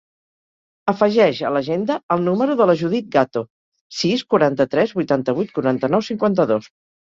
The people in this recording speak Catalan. Afegeix a l'agenda el número de la Judith Gato: sis, quaranta-tres, vuitanta-vuit, quaranta-nou, cinquanta-dos.